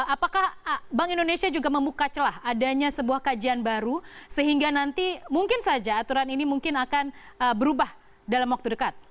apakah bank indonesia juga membuka celah adanya sebuah kajian baru sehingga nanti mungkin saja aturan ini mungkin akan berubah dalam waktu dekat